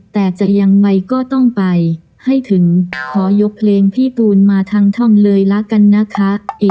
แต่จะยังไงก็ต้องไปให้ถึงขอยกเพลงพี่ตูนมาทางท่องเลยละกันนะคะ